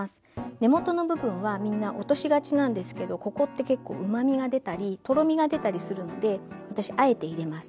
根元の部分はみんな落としがちなんですけどここって結構うまみが出たりとろみが出たりするので私あえて入れます。